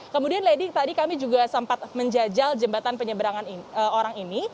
kemudian lady tadi kami juga sempat menjajal jembatan penyeberangan orang ini